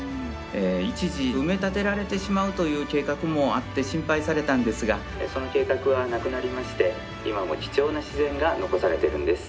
一時埋め立てられてしまうという計画もあって心配されたんですがその計画はなくなりまして今も貴重な自然が残されてるんです。